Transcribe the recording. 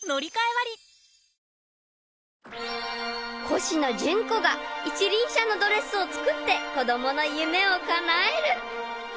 ［コシノジュンコが一輪車のドレスを作って子供の夢をかなえる！］